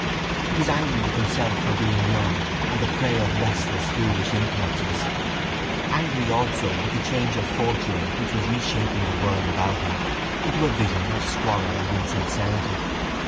He was angry with himself for being young and the prey of restless foolish impulses, angry also with the change of fortune which was reshaping the world about him into a vision of squalor and insincerity.